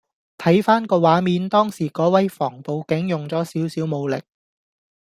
睇返個畫面當時嗰位防暴警用咗少少武力